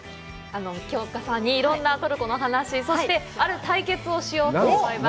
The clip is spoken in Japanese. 京香さんにいろんなトルコの話、そして、ある対決をしようと思います。